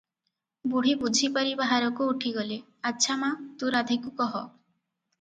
ବୁଢ଼ୀ ବୁଝିପାରି ବାହାରକୁ ଉଠିଗଲେ - "ଆଚ୍ଛା ମା, ତୁ ରାଧୀକୁ କହ ।"